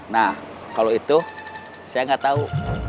nah kalau itu saya nggak tahu